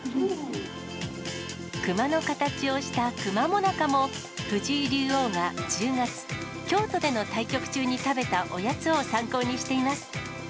熊の形をしたくま最中も、藤井竜王が１０月、京都での対局中に食べたおやつを参考にしています。